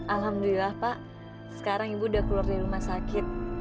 alhamdulillah pak sekarang ibu udah keluar dari rumah sakit